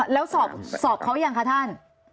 แล้วสอบเขายังคะท่าน